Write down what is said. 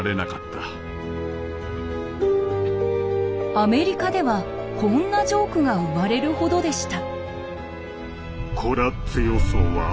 アメリカではこんなジョークが生まれるほどでした。